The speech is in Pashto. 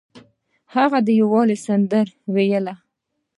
هغه د یووالي سندره ویله.